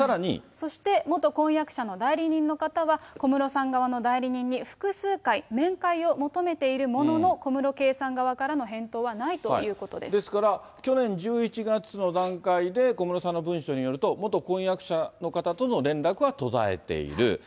そして、元婚約者の代理人の方は、小室さん側の代理人に複数回、面会を求めているものの小室圭さん側からの返答はないというですから、去年１１月の段階で、小室さんの文書によると、元婚約者の方との連絡は途絶えている。